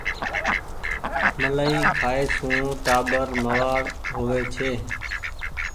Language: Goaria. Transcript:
ملآئي کآئي سون ٽآٻر موآڙ هووي ڇي